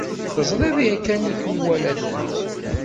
Teẓriḍ yakan ikuwalaten?